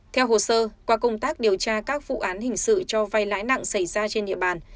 theo hồ sơ qua công tác điều tra các vụ án hình sự cho vay lãi nặng xảy ra trên địa bàn